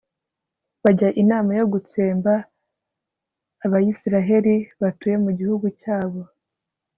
bajya inama yo gutsemba abayisraheli batuye mu gihugu cyabo